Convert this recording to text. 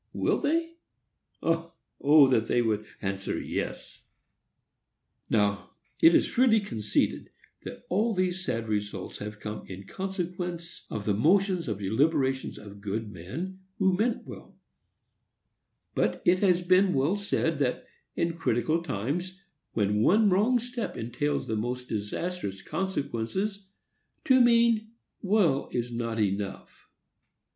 Will they? O, that they would answer Yes! Now, it is freely conceded that all these sad results have come in consequence of the motions and deliberations of good men, who meant well; but it has been well said that, in critical times, when one wrong step entails the most disastrous consequences, to mean well is not enough.